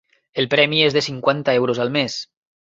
El premi és de cinquanta euros al mes.